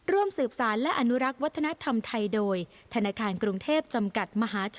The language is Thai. ร่วมสืบสารและอนุรักษ์วัฒนธรรมไทยโดยธนาคารกรุงเทพจำกัดมหาชน